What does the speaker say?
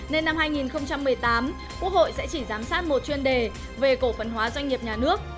nên năm hai nghìn một mươi tám quốc hội sẽ chỉ giám sát một chuyên đề về cổ phần hóa doanh nghiệp nhà nước